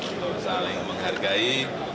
untuk saling menghargai